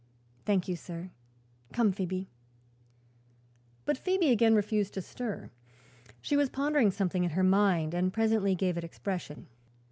"Thank you, sir. Come, Phoebe." But Phoebe again refused to stir. She was pondering something in her mind and presently gave it expression.